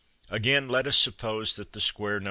Again, let us suppose that the square No.